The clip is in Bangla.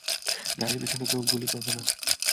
গাড়ির পেছনে কেউ গুলি করবে না।